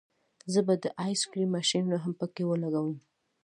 زه به د آیس کریم ماشینونه هم پکې ولګوم